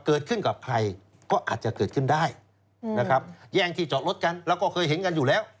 เกิดขึ้นกับใครก็อาจจะเกิดขึ้นได้นะครับแย่งที่จอดรถกันแล้วก็เคยเห็นกันอยู่แล้ว